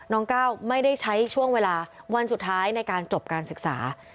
ก้าวไม่ได้ใช้ช่วงเวลาวันสุดท้ายในการจบการศึกษา